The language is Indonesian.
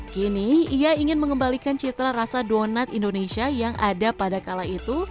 kini ia ingin mengembalikan citra rasa donat indonesia yang ada pada kala itu